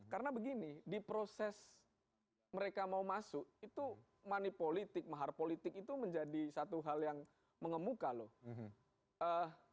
karena begini di proses mereka mau masuk itu money politik mahar politik itu menjadi satu hal yang mengemuka loh